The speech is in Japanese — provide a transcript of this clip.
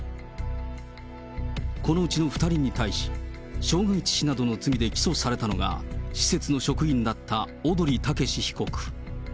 このうちの２人に対し、傷害致死などの罪で起訴されたのが、施設の職員だった小鳥剛被告。